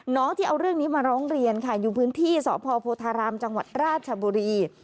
น้องที่เอาเรื่องนี้มาร้องเรียนค่ะอยู่พื้นที่สพโพธารามจังหวัดราชบุรี